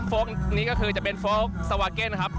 โฟลกนี้ก็คือจะเป็นโฟลกสวาเก็นครับ